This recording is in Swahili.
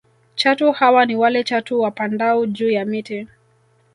Chatu hawa ni wale chatu wapandao juu ya miti